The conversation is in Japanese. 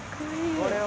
これは。